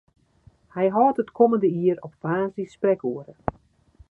Hy hâldt it kommende jier op woansdei sprekoere.